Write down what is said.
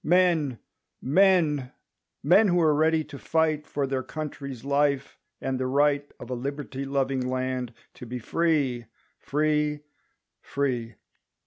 Men who are ready to fight For their country's life, and the right. Of a liberty loving land to be Free, free, free!